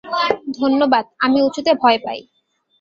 ধন্যবাদ, আমি উঁচুতে ভয় পাই।